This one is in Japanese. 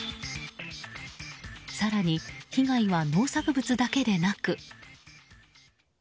更に被害は農作物だけでなく。